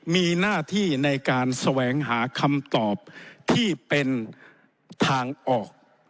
มีหน้าที่ในการแสวงหาคำตอบที่เป็นทางออก